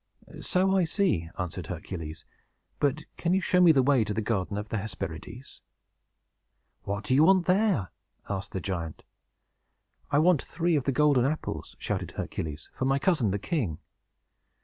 "So I see," answered Hercules. "But, can you show me the way to the garden of the Hesperides?" "What do you want there?" asked the giant. "I want three of the golden apples," shouted Hercules, "for my cousin, the king."